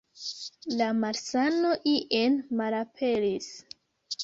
La malsano ien malaperis.